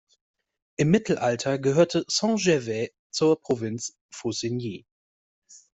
Im Mittelalter gehörte Saint-Gervais zur Provinz Faucigny.